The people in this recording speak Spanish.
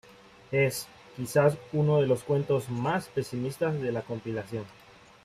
Es, quizás, uno de los cuentos más pesimistas de la compilación.